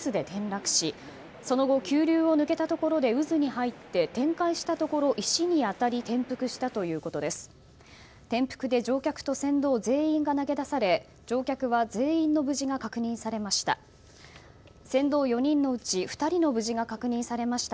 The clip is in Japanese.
転覆で乗客と船頭全員が投げ出され乗客は全員の無事が確認されました。